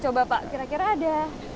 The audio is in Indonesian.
coba pak kira kira ada